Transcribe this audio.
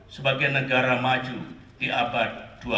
sebagai negara maju di abad dua puluh satu